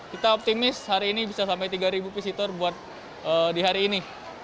kita optimis hari ini bisa sampai tiga visitor buat di hari ini